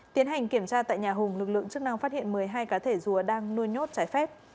tiến hành kiểm tra tại nhà hùng lực lượng chức năng phát hiện một mươi hai cá thể rùa đang nuôi nhốt trái phép